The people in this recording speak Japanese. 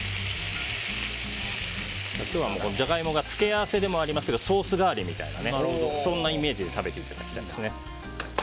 今日はジャガイモが付け合わせでもありますけどソース代わりみたいなそんなイメージで食べていただきたいですね。